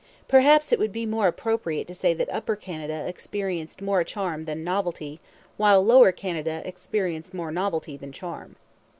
Perhaps it would be more appropriate to say that Upper Canada experienced more charm than novelty while Lower Canada experienced more novelty than charm.